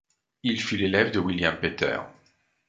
Il fut l'élève de William Pether.